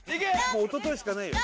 もう「おととい」しかないよ